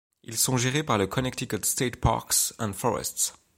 Ils sont gérés par le Connecticut State Parks and Forests.